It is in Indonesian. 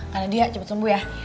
karena dia cepat sembuh ya